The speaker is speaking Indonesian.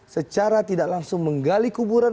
secara tidak langsung menggali kuburan